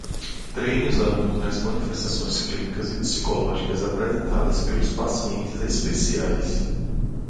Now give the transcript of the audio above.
Treine os alunos nas manifestações clínicas e psicológicas apresentadas pelos pacientes especiais.